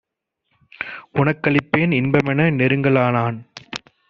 உனக்களிப்பேன் இன்பமென நெருங்க லானான்!